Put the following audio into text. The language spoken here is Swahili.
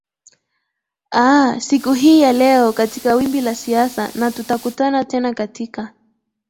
aa siku hii ya leo katika wimbi la siasa na tutakutana tena katika